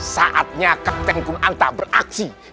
saatnya kapten kunanta beraksi